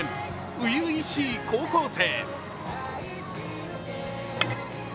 初々しい高校生。